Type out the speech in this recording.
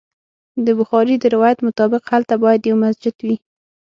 د بخاري د روایت مطابق هلته باید یو مسجد وي.